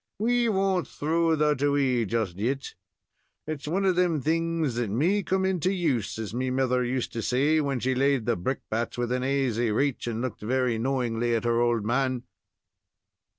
"We won't throw that away just yet. It's one of them things that may come into use, as me mither used to say when she laid the brickbats within aisy raich, and looked very knowingly at her old man."